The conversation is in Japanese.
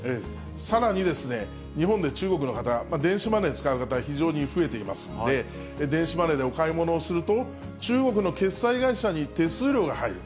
さらにですね、日本で中国の方、電子マネー使う方、非常に増えていますんで、電子マネーでお買い物をすると中国の決済会社に手数料が入る。